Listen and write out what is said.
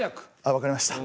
わかりました。